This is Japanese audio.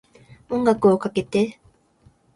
音楽をかけて